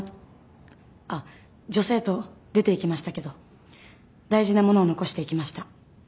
あっ女性と出ていきましたけど大事なものを残していきました。